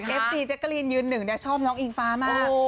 เอฟซีแจ๊กกะลีนยืนหนึ่งชอบน้องอิงฟ้ามาก